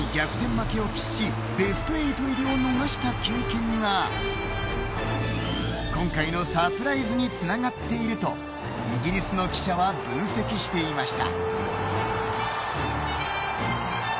負けを喫しベスト８入りを逃した経験が今回のサプライズにつながっているとイギリスの記者は分析していました。